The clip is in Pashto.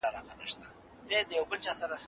ښايی بیا اسمان په قارسي توپان راسي